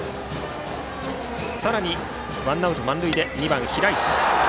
さらにワンアウト満塁で２番、平石。